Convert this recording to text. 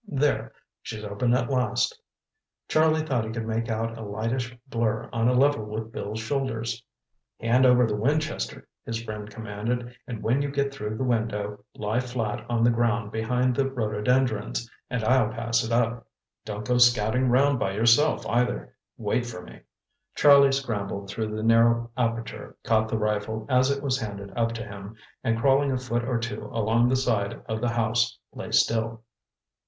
"There—she's open at last." Charlie thought he could make out a lightish blur on a level with Bill's shoulders. "Hand over the Winchester," his friend commanded, "and when you get through the window, lie flat on the ground behind the rhododendrons, and I'll pass it up. Don't go scouting round by yourself, either. Wait for me." Charlie scrambled through the narrow aperture, caught the rifle as it was handed up to him, and crawling a foot or two along the side of the house, lay still.